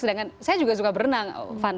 sedangkan saya juga suka berenang